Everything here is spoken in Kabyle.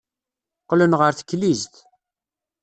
Qqlen ɣer teklizt.